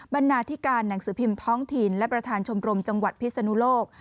นาธิการหนังสือพิมพ์ท้องถิ่นและประธานชมรมจังหวัดพิศนุโลก